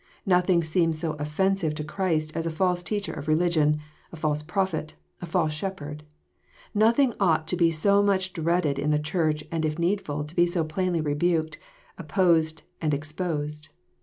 Nothing se ems s o offensive to Christ as a false teacher of religion, a false prophet, or a false shep herd. Nothing ought to be sjoTnnrcti dreaded in the Church, and if needful, to be so plainly rebuked, opposed, and exposed.